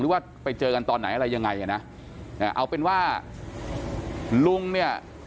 ว่าไปเจอกันตอนไหนอะไรยังไงอ่ะนะเอาเป็นว่าลุงเนี่ย